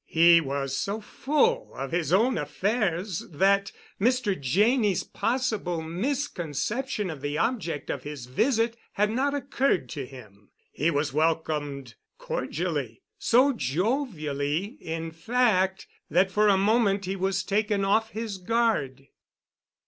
He was so full of his own affairs that Mr. Janney's possible misconception of the object of his visit had not occurred to him. He was welcomed cordially—so jovially, in fact, that for a moment he was taken off his guard.